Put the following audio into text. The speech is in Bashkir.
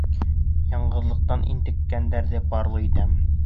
Яңғыҙлыҡтан интеккәндәрҙе парлы итәм.